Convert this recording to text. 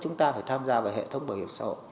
chúng ta phải tham gia vào hệ thống bảo hiểm xã hội